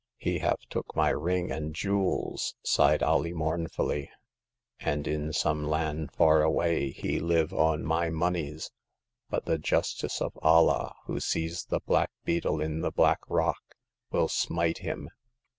He haf took my ring and jewels," sighed Alee, mournfully, '* and in some Ian' far away he live on my moneys. But the justice of Allah, who sees the black beetle in the black rock, will smite him.